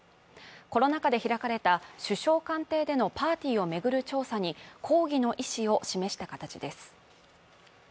コロナ禍で開かれた首相官邸でのパーティーを巡る調査に、抗議の意思を示した形です。